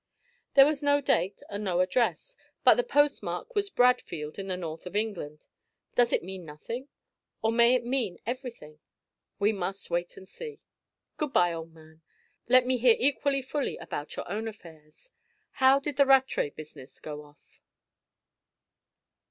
There was no date and no address, but the postmark was Bradfield in the north of England. Does it mean nothing? Or may it mean everything? We must wait and see. Good bye, old man. Let me hear equally fully about your own affairs. How did the Rattray business go off?